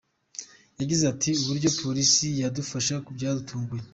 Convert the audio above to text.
Yagize ati “Uburyo Polisi yadufashe byadutunguye.